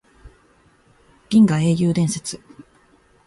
銀河英雄伝説